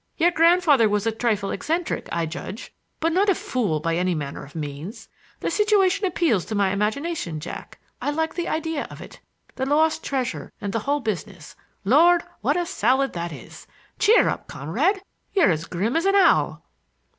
Your grandfather was a trifle eccentric, I judge, but not a fool by any manner of means. The situation appeals to my imagination, Jack. I like the idea of it,— the lost treasure and the whole business. Lord, what a salad that is! Cheer up, comrade! You're as grim as an owl!"